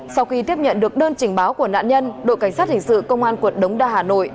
sau khi tiếp nhận được đơn trình báo của nạn nhân đội cảnh sát hình sự công an quận đống đa hà nội